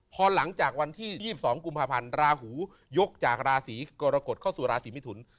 พอหลังจากวันที่๒๒กุมภาพันธ์ราหูยกจากราศีกรกฎเข้าสู่ราศีมิถุน